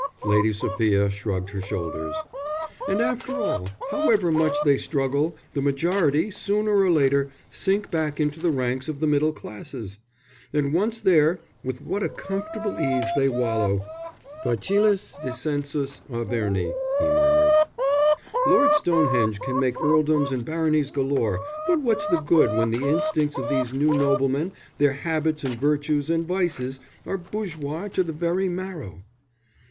Lady Sophia shrugged her shoulders. "And after all, however much they struggle, the majority, sooner or later, sink back into the ranks of the middle classes. And, once there, with what a comfortable ease they wallow!" "Facilis descensus Averni," he murmured. "Lord Stonehenge can make earldoms and baronies galore, but what's the good when the instincts of these new noblemen, their habits and virtues and vices, are bourgeois to the very marrow!"